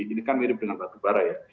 ini kan mirip dengan batu bara ya